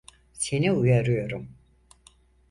Seni uyarıyorum.